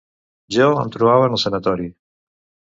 Jo em trobava en el Sanatori